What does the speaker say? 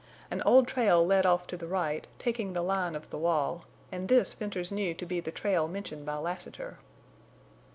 An old trail led off to the right, taking the line of the wall, and this Venters knew to be the trail mentioned by Lassiter.